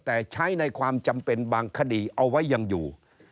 แต่ใช้ในความจำเป็นบางคดีเอาไว้ยังอยู่